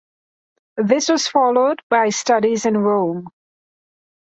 This was followed by studies in Rome.